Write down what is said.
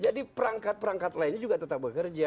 jadi perangkat perangkat lainnya juga tetap bekerja